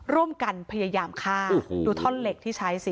ร่วมกันพยายามฆ่าดูท่อนเหล็กที่ใช้สิ